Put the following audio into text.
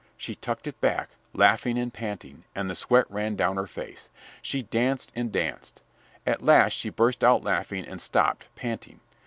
She tucked it back, laughing and panting, and the sweat ran down her face. She danced and danced. At last she burst out laughing and stopped, panting.